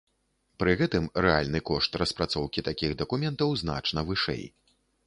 Пры гэтым рэальны кошт распрацоўкі такіх дакументаў значна вышэй.